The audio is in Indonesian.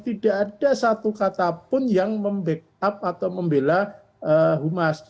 tidak ada satu katapun yang membackup atau membela humas